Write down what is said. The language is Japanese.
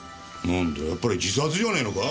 なんだやっぱり自殺じゃねえのか？